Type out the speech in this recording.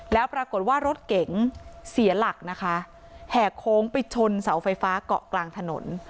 แล้วปรากฏว่ารถเก๋งเสียหลักนะคะแห่โค้งไปชนเสาไฟฟ้าเกาะกลางถนน